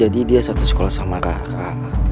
dia satu sekolah sama kakak